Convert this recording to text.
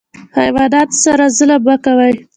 حیواناتو سره ظلم مه کوئ